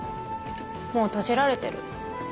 もう閉じられてる。